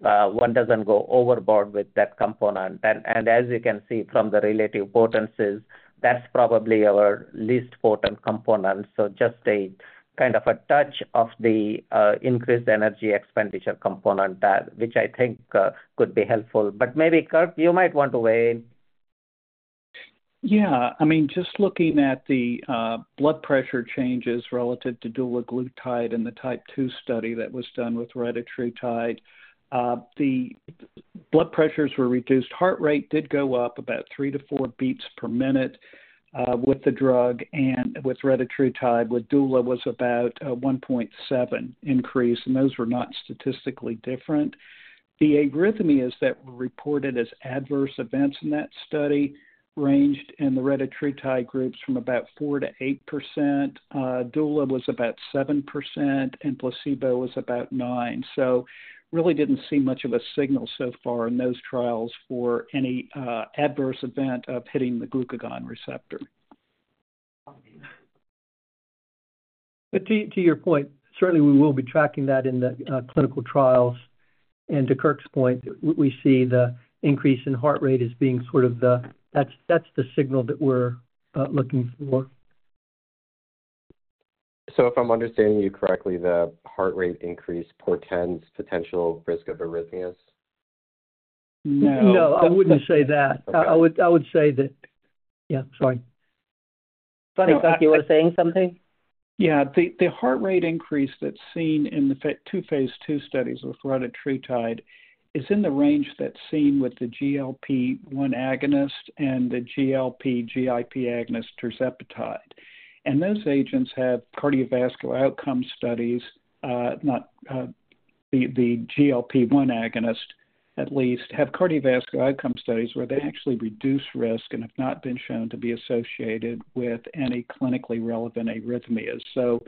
one doesn't go overboard with that component. As you can see from the relative potencies, that's probably our least potent component. Just a kind of a touch of the increased energy expenditure component, which I think could be helpful. Maybe Kirk, you might want to weigh in. Yeah. I mean, just looking at the blood pressure changes relative to dulaglutide in the type II study that was done with Retatrutide, the blood pressures were reduced. Heart rate did go up about three to four beats per minute with the drug. And with Retatrutide, with Dula, was about a 1.7% increase. And those were not statistically different. The arrhythmias that were reported as adverse events in that study ranged in the Retatrutide groups from about 4%-8%. Dula was about 7%, and Placebo was about 9%. Really did not see much of a signal so far in those trials for any adverse event of hitting the glucagon receptor. To your point, certainly we will be tracking that in the clinical trials. To Kirk's point, we see the increase in heart rate as being sort of the—that is the signal that we are looking for. If I'm understanding you correctly, the heart rate increase portends potential risk of arrhythmias? No. I wouldn't say that. I would say that—yeah, sorry. Sonny, thought you were saying something? Yeah. The heart rate increase that's seen in the two phase two studies with Retatrutide is in the range that's seen with the GLP-1 agonist and the GLP-GIP agonist Tirzepatide. Those agents have cardiovascular outcome studies—not the GLP-1 agonist, at least—have cardiovascular outcome studies where they actually reduce risk and have not been shown to be associated with any clinically relevant arrhythmias.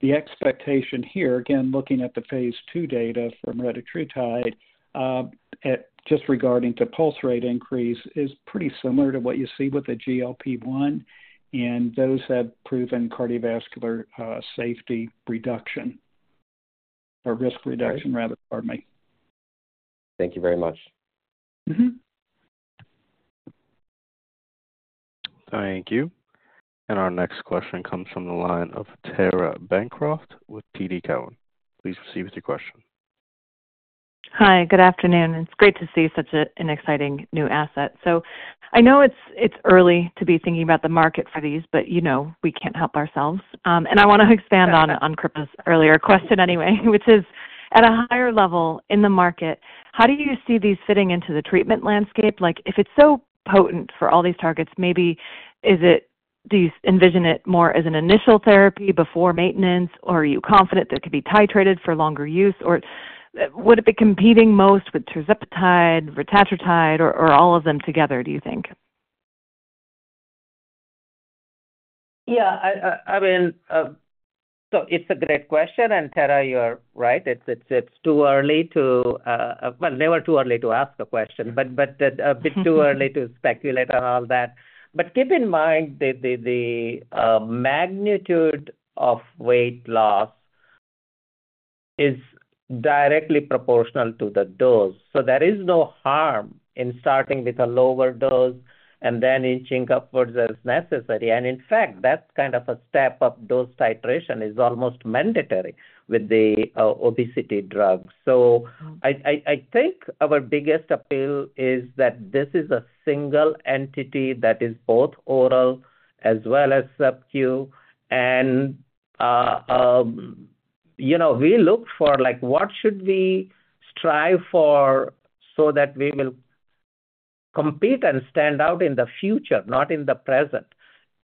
The expectation here, again, looking at the phase two data from Retatrutide just regarding the pulse rate increase, is pretty similar to what you see with the GLP-1. Those have proven cardiovascular safety reduction or risk reduction, rather. Pardon me. Thank you very much. Mm-hmm. Thank you. Our next question comes from the line of Tara Bancroft with TD Cowen. Please proceed with your question. Hi. Good afternoon. It's great to see such an exciting new asset. I know it's early to be thinking about the market for these, but we can't help ourselves. I want to expand on Kirk's earlier question anyway, which is at a higher level in the market, how do you see these fitting into the treatment landscape? If it's so potent for all these targets, maybe do you envision it more as an initial therapy before maintenance, or are you confident that it could be titrated for longer use? Would it be competing most with Tirzepatide, Retatrutide, or all of them together, do you think? Yeah. I mean, it's a great question. Tara, you're right. It's too early to—well, never too early to ask a question, but a bit too early to speculate on all that. Keep in mind the magnitude of weight loss is directly proportional to the dose. There is no harm in starting with a lower dose and then inching upwards as necessary. In fact, that kind of a step-up dose titration is almost mandatory with the obesity drug. I think our biggest appeal is that this is a single entity that is both oral as well as subcu. We look for what should we strive for so that we will compete and stand out in the future, not in the present.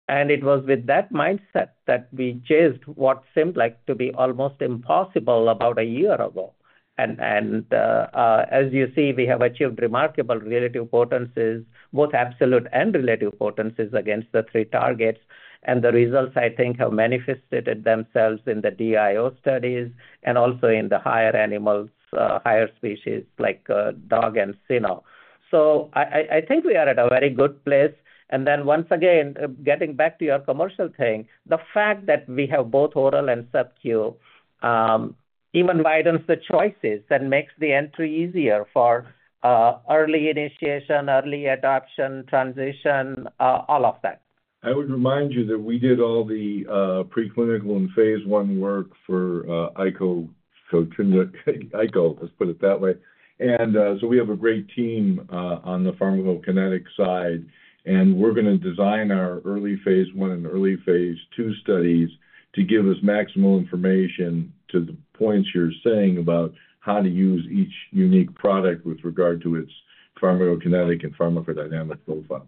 It was with that mindset that we chased what seemed like to be almost impossible about a year ago. As you see, we have achieved remarkable relative potencies, both absolute and relative potencies against the three targets. The results, I think, have manifested themselves in the DIO studies and also in the higher animals, higher species like dog and sino. I think we are at a very good place. Once again, getting back to your commercial thing, the fact that we have both oral and subcu even widens the choices and makes the entry easier for early initiation, early adoption, transition, all of that. I would remind you that we did all the preclinical and phase one work for ICO, let's put it that way. We have a great team on the pharmacokinetic side. We're going to design our early phase one and early phase two studies to give us maximum information to the points you're saying about how to use each unique product with regard to its pharmacokinetic and pharmacodynamic profile.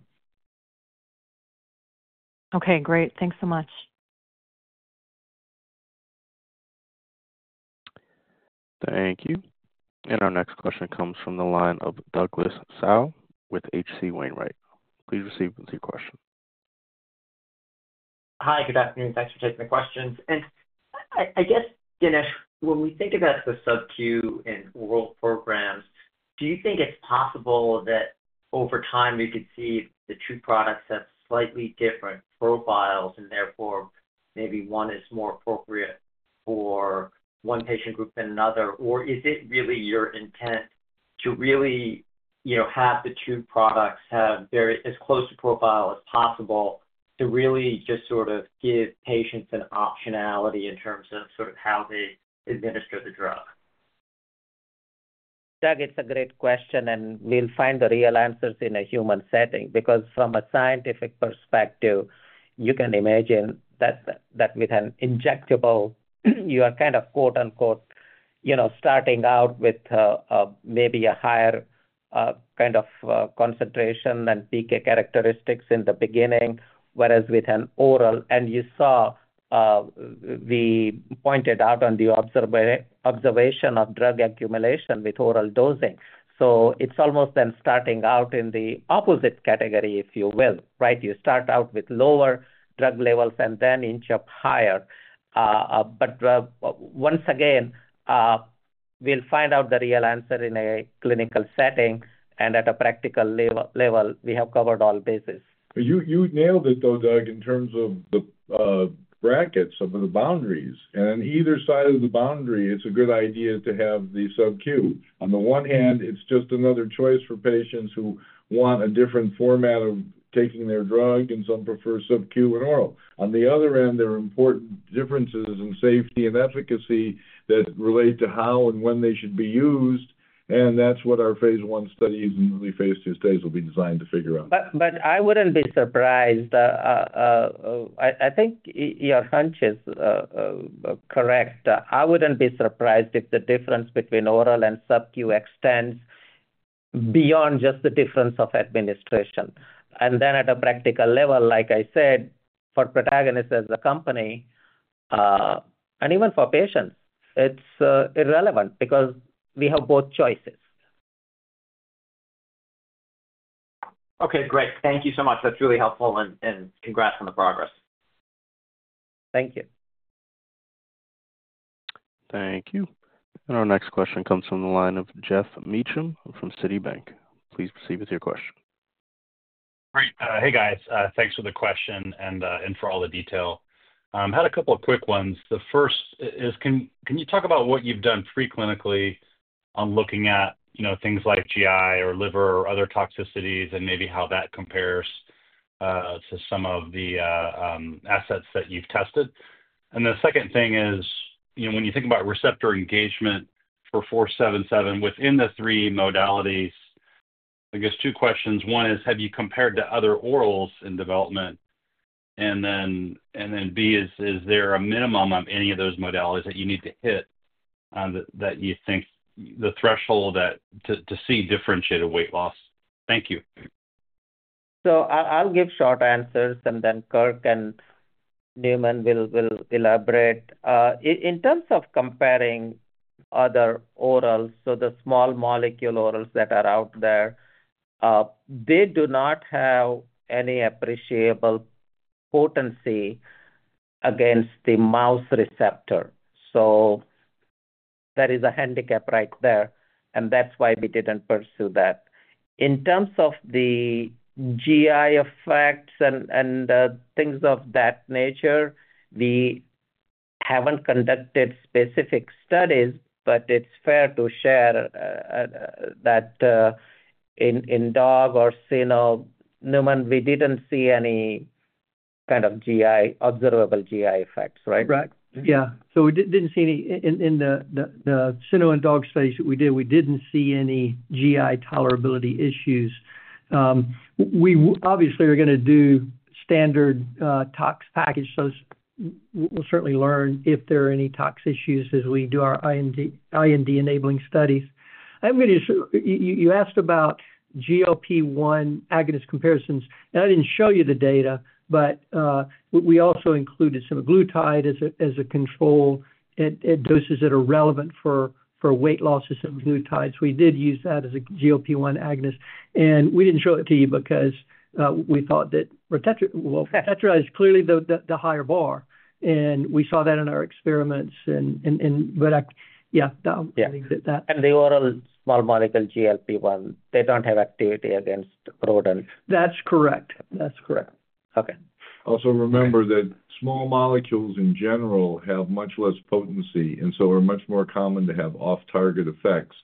Okay. Great. Thanks so much. Thank you. Our next question comes from the line of Douglas Tsao with HC Wainwright. Please proceed with your question. Hi. Good afternoon. Thanks for taking the questions. I guess, Dinesh, when we think about the subcu and oral programs, do you think it's possible that over time we could see the two products have slightly different profiles and therefore maybe one is more appropriate for one patient group than another? Is it really your intent to really have the two products have as close a profile as possible to really just sort of give patients an optionality in terms of sort of how they administer the drug? Doug, it's a great question. We'll find the real answers in a human setting because from a scientific perspective, you can imagine that with an injectable, you are kind of, quote-unquote, starting out with maybe a higher kind of concentration and peak characteristics in the beginning, whereas with an oral—you saw we pointed out the observation of drug accumulation with oral dosing. It's almost then starting out in the opposite category, if you will, right? You start out with lower drug levels and then inch up higher. Once again, we'll find out the real answer in a clinical setting. At a practical level, we have covered all bases. You nailed it though, Doug, in terms of the brackets of the boundaries. On either side of the boundary, it's a good idea to have the subcu. On the one hand, it's just another choice for patients who want a different format of taking their drug, and some prefer subcu and oral. On the other end, there are important differences in safety and efficacy that relate to how and when they should be used. That is what our phase one studies and early phase two studies will be designed to figure out. I would not be surprised. I think your hunch is correct. I would not be surprised if the difference between oral and subcu extends beyond just the difference of administration. At a practical level, like I said, for Protagonist as a company and even for patients, it is irrelevant because we have both choices. Okay. Great. Thank you so much. That's really helpful. And congrats on the progress. Thank you. Thank you. Our next question comes from the line of Geoff Meacham from Citibank. Please proceed with your question. Great. Hey, guys. Thanks for the question and for all the detail. Had a couple of quick ones. The first is, can you talk about what you've done preclinically on looking at things like GI or liver or other toxicities and maybe how that compares to some of the assets that you've tested? The second thing is, when you think about receptor engagement for PN-477 within the three modalities, I guess two questions. One is, have you compared to other orals in development? Then B is, is there a minimum of any of those modalities that you need to hit that you think the threshold to see differentiated weight loss? Thank you. I'll give short answers, and then Kirk and Newman will elaborate. In terms of comparing other orals, the small molecule orals that are out there do not have any appreciable potency against the mouse receptor. That is a handicap right there. That's why we didn't pursue that. In terms of the GI effects and things of that nature, we haven't conducted specific studies, but it's fair to share that in dog or sino, Newman, we didn't see any kind of observable GI effects, right? Right. Yeah. We did not see any in the cyno and dog studies that we did, we did not see any GI tolerability issues. We obviously are going to do standard tox package. We will certainly learn if there are any tox issues as we do our IND enabling studies. You asked about GLP-1 agonist comparisons. I did not show you the data, but we also included Semaglutide as a control at doses that are relevant for weight loss with Semaglutide. We did use that as a GLP-1 agonist. We did not show it to you because we thought that, well, Tirzepatide is clearly the higher bar. We saw that in our experiments. Yeah, I think that. The oral small molecule GLP-1, they don't have activity against rodent. That's correct. Also, remember that small molecules in general have much less potency and so are much more common to have off-target effects.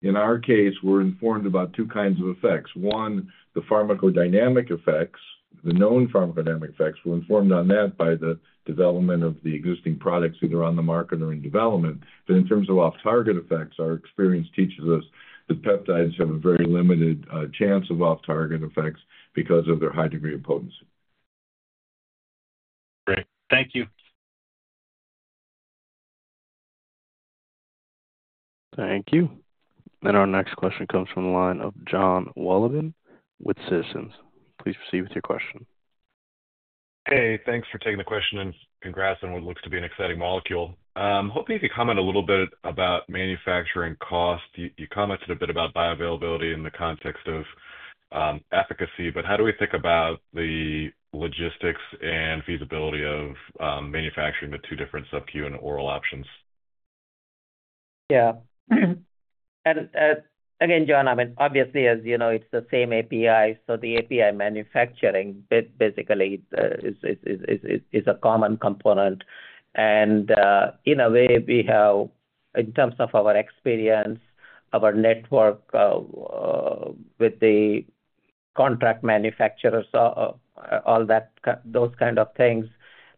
In our case, we're informed about two kinds of effects. One, the pharmacodynamic effects. The known pharmacodynamic effects were informed on that by the development of the existing products either on the market or in development. In terms of off-target effects, our experience teaches us that peptides have a very limited chance of off-target effects because of their high degree of potency. Great. Thank you. Thank you. Our next question comes from the line of John Wollman with Citizens. Please proceed with your question. Hey, thanks for taking the question. Congrats on what looks to be an exciting molecule. Hoping you could comment a little bit about manufacturing cost. You commented a bit about bioavailability in the context of efficacy, but how do we think about the logistics and feasibility of manufacturing the two different subcu and oral options? Yeah. Again, John, I mean, obviously, as you know, it's the same API. So the API manufacturing basically is a common component. In a way, in terms of our experience, our network with the contract manufacturers, all those kinds of things,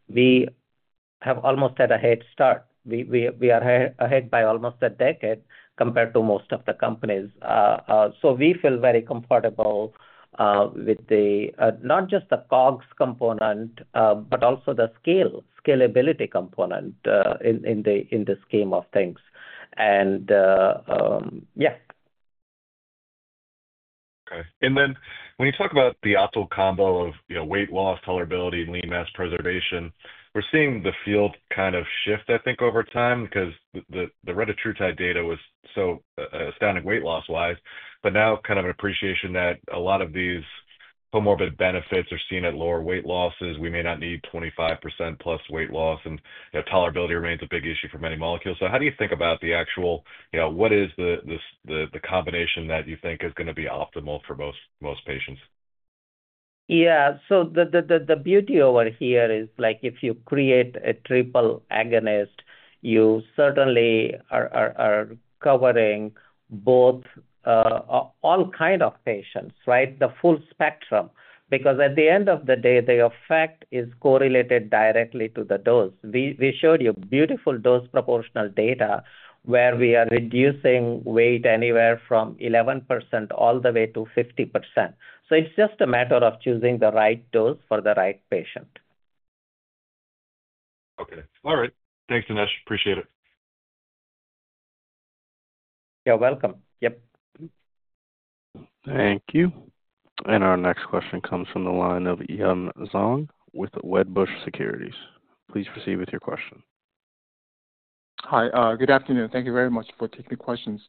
we have almost had a head start. We are ahead by almost a decade compared to most of the companies. We feel very comfortable with not just the COGS component, but also the scalability component in the scheme of things. Yeah. Okay. When you talk about the optimal combo of weight loss, tolerability, and lean mass preservation, we're seeing the field kind of shift, I think, over time because the Retatrutide data was so astounding weight loss-wise. Now kind of an appreciation that a lot of these comorbid benefits are seen at lower weight losses. We may not need 25%+ weight loss. Tolerability remains a big issue for many molecules. How do you think about the actual what is the combination that you think is going to be optimal for most patients? Yeah. The beauty over here is if you create a triple agonist, you certainly are covering all kinds of patients, right? The full spectrum. Because at the end of the day, the effect is correlated directly to the dose. We showed you beautiful dose proportional data where we are reducing weight anywhere from 11% all the way to 50%. It is just a matter of choosing the right dose for the right patient. Okay. All right. Thanks, Dinesh. Appreciate it. You're welcome. Yep. Thank you. Our next question comes from the line of Yun Zhong with Wedbush Securities. Please proceed with your question. Hi. Good afternoon. Thank you very much for taking the questions.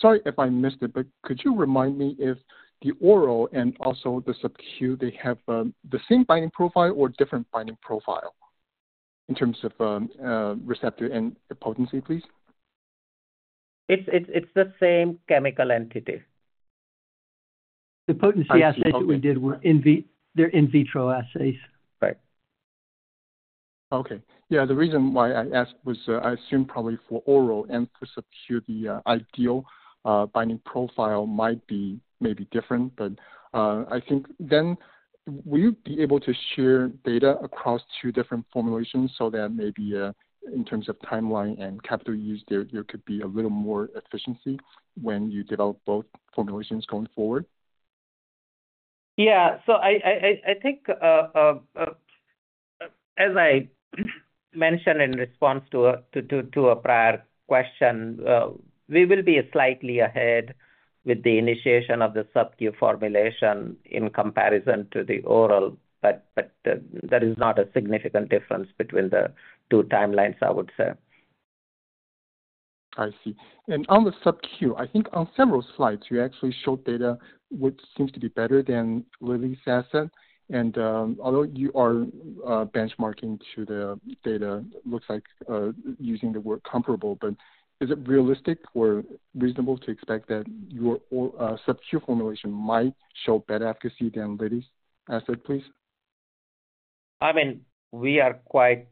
Sorry if I missed it, but could you remind me if the oral and also the subcu, they have the same binding profile or different binding profile in terms of receptor and potency, please? It's the same chemical entity. The potency assays that we did, they're in vitro assays. Right. Okay. Yeah. The reason why I asked was I assume probably for oral and for subcu, the ideal binding profile might be maybe different. I think then will you be able to share data across two different formulations so that maybe in terms of timeline and capital use, there could be a little more efficiency when you develop both formulations going forward? Yeah. So I think as I mentioned in response to a prior question, we will be slightly ahead with the initiation of the subcu formulation in comparison to the oral. But there is not a significant difference between the two timelines, I would say. I see. On the subcu, I think on several slides, you actually showed data which seems to be better than Lilly's asset. Although you are benchmarking to the data, it looks like using the word comparable, but is it realistic or reasonable to expect that your subcu formulation might show better efficacy than Lilly's asset, please? I mean, we are quite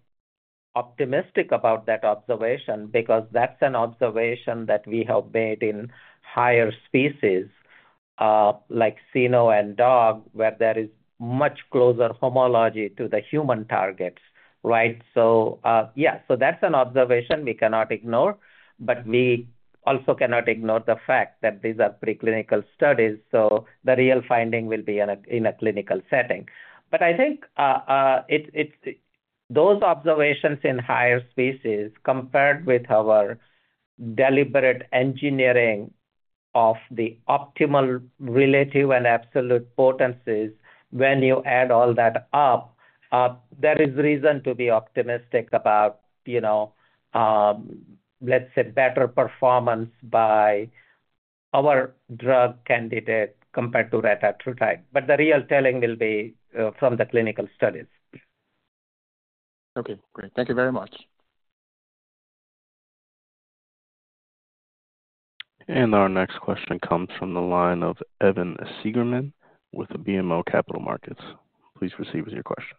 optimistic about that observation because that's an observation that we have made in higher species like cyno and dog, where there is much closer homology to the human targets, right? Yeah, so that's an observation we cannot ignore. We also cannot ignore the fact that these are preclinical studies. The real finding will be in a clinical setting. I think those observations in higher species compared with our deliberate engineering of the optimal relative and absolute potencies, when you add all that up, there is reason to be optimistic about, let's say, better performance by our drug candidate compared to retatrutide. The real telling will be from the clinical studies. Okay. Great. Thank you very much. Our next question comes from the line of Evan Seigerman with BMO Capital Markets. Please proceed with your question.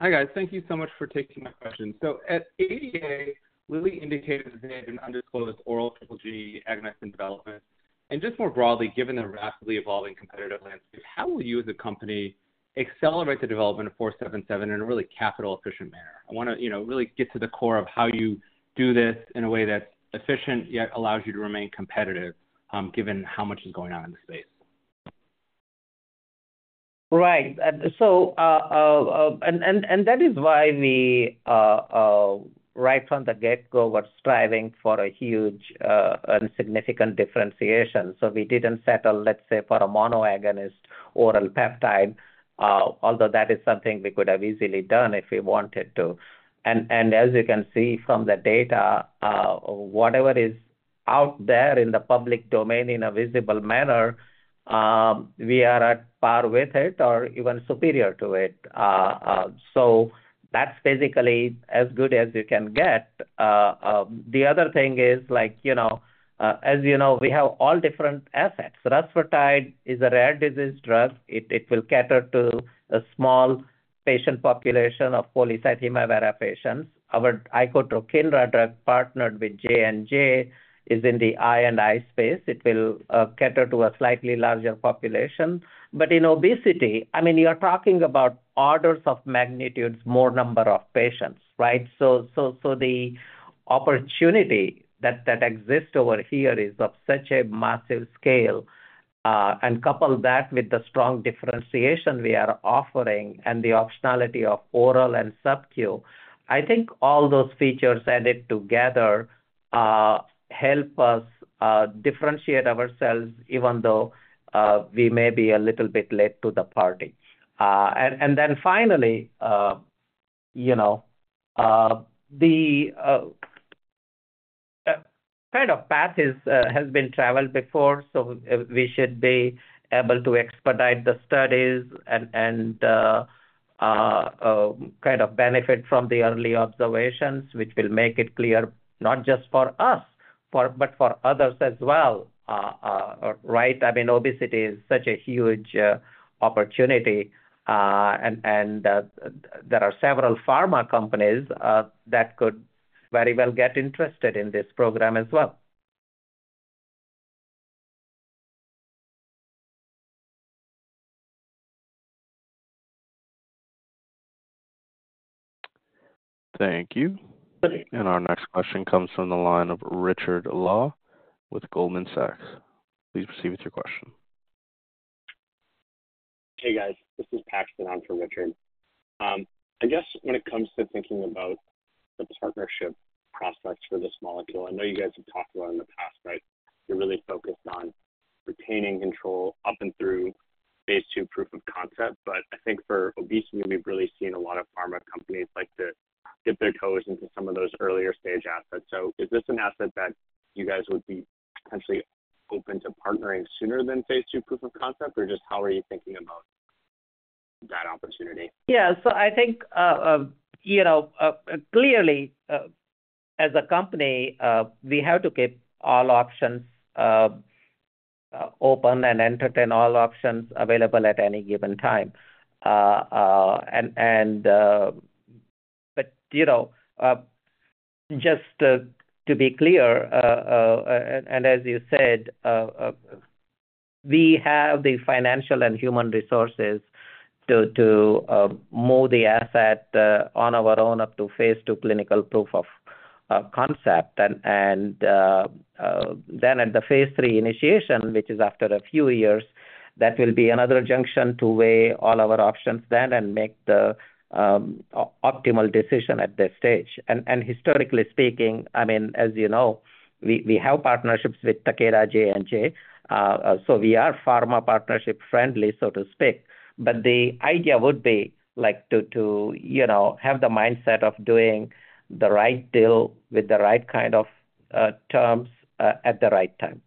Hi, guys. Thank you so much for taking my question. At ADA, Lilly indicated that they have an undisclosed oral GGG agonist in development. Just more broadly, given the rapidly evolving competitive landscape, how will you as a company accelerate the development of PN-477 in a really capital-efficient manner? I want to really get to the core of how you do this in a way that's efficient yet allows you to remain competitive given how much is going on in the space. Right. That is why we, right from the get-go, were striving for a huge and significant differentiation. We did not settle, let's say, for a monoagonist oral peptide, although that is something we could have easily done if we wanted to. As you can see from the data, whatever is out there in the public domain in a visible manner, we are at par with it or even superior to it. That is basically as good as you can get. The other thing is, as you know, we have all different assets. Rusfertide is a rare disease drug. It will cater to a small patient population of polycythemia vera patients. Our Icotrokinra drug partnered with J&J is in the I&I space. It will cater to a slightly larger population. In obesity, I mean, you are talking about orders of magnitudes, more number of patients, right? The opportunity that exists over here is of such a massive scale. Couple that with the strong differentiation we are offering and the optionality of oral and subcu, I think all those features added together help us differentiate ourselves even though we may be a little bit late to the party. Finally, the kind of path has been traveled before, so we should be able to expedite the studies and benefit from the early observations, which will make it clear not just for us, but for others as well, right? I mean, obesity is such a huge opportunity. There are several pharma companies that could very well get interested in this program as well. Thank you. Our next question comes from the line of Richard Law with Goldman Sachs. Please proceed with your question. Hey, guys. This is Paxton. I'm from Richard. I guess when it comes to thinking about the partnership prospects for this molecule, I know you guys have talked about it in the past, right? You're really focused on retaining control up and through phase two proof of concept. I think for obesity, we've really seen a lot of pharma companies like to dip their toes into some of those earlier stage assets. Is this an asset that you guys would be potentially open to partnering sooner than phase two proof of concept, or just how are you thinking about that opportunity? Yeah. So I think clearly, as a company, we have to keep all options open and entertain all options available at any given time. Just to be clear, and as you said, we have the financial and human resources to move the asset on our own up to phase two clinical proof of concept. Then at the phase three initiation, which is after a few years, that will be another junction to weigh all our options then and make the optimal decision at this stage. Historically speaking, I mean, as you know, we have partnerships with Takeda, J&J. We are pharma partnership friendly, so to speak. The idea would be to have the mindset of doing the right deal with the right kind of terms at the right time.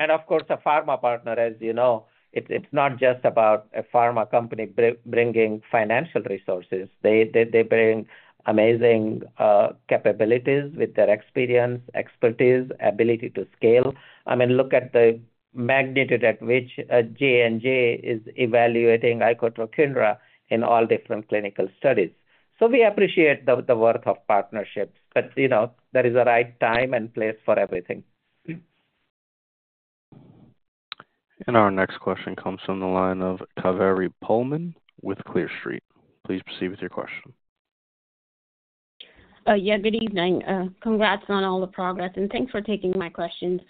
Of course, a pharma partner, as you know, it's not just about a pharma company bringing financial resources. They bring amazing capabilities with their experience, expertise, ability to scale. I mean, look at the magnitude at which J&J is evaluating Icotrokinra in all different clinical studies. We appreciate the worth of partnerships. There is a right time and place for everything. Our next question comes from the line of Kaveri Pohlman with Clear Street. Please proceed with your question. Yeah. Good evening. Congrats on all the progress. Thanks for taking my questions.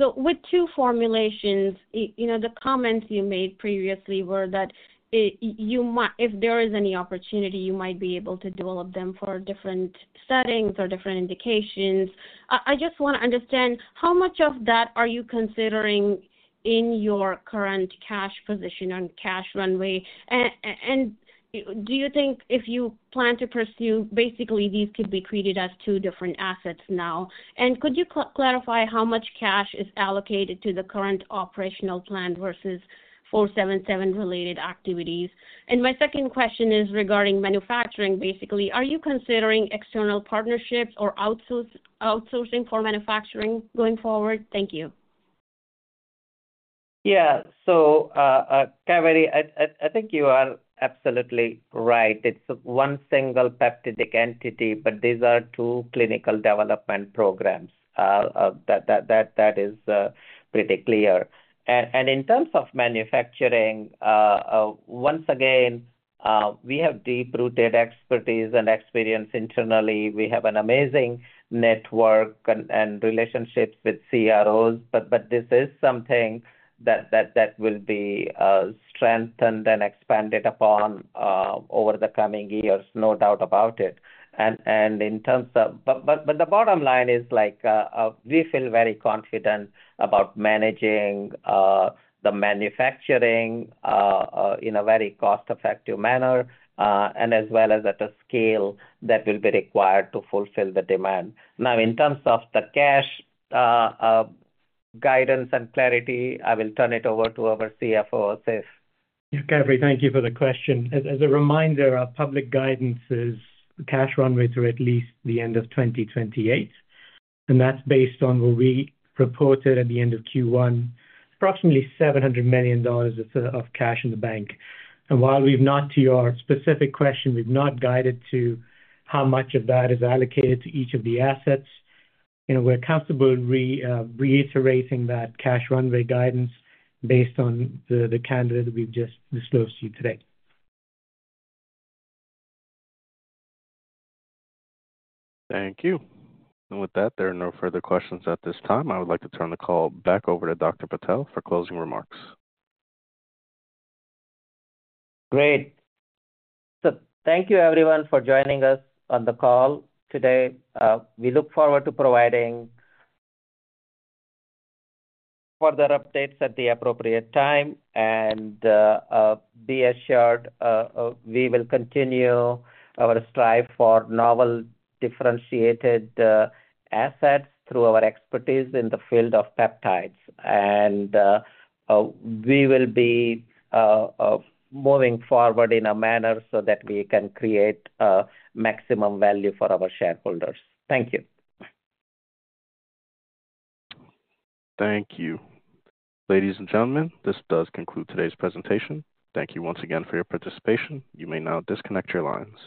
With two formulations, the comments you made previously were that if there is any opportunity, you might be able to develop them for different settings or different indications. I just want to understand how much of that are you considering in your current cash position on cash runway? Do you think if you plan to pursue, basically, these could be treated as two different assets now? Could you clarify how much cash is allocated to the current operational plan versus PN-477-related activities? My second question is regarding manufacturing, basically. Are you considering external partnerships or outsourcing for manufacturing going forward? Thank you. Yeah. averi, I think you are absolutely right. It is one single peptidic entity, but these are two clinical development programs. That is pretty clear. In terms of manufacturing, once again, we have deep-rooted expertise and experience internally. We have an amazing network and relationships with CROs. This is something that will be strengthened and expanded upon over the coming years, no doubt about it. The bottom line is we feel very confident about managing the manufacturing in a very cost-effective manner and as well as at a scale that will be required to fulfill the demand. In terms of the cash guidance and clarity, I will turn it over to our CFO, Seth. Yeah. Taveri, thank you for the question. As a reminder, our public guidance is cash runways are at least the end of 2028. That is based on what we reported at the end of Q1, approximately $700 million of cash in the bank. While we've not, to your specific question, we've not guided to how much of that is allocated to each of the assets. We're comfortable reiterating that cash runway guidance based on the candidate that we've just disclosed to you today. Thank you. With that, there are no further questions at this time. I would like to turn the call back over to Dr. Patel for closing remarks Great. Thank you, everyone, for joining us on the call today. We look forward to providing further updates at the appropriate time. Be assured we will continue our strive for novel differentiated assets through our expertise in the field of peptides. We will be moving forward in a manner so that we can create maximum value for our shareholders. Thank you. Thank you. Ladies and gentlemen, this does conclude today's presentation. Thank you once again for your participation. You may now disconnect your lines.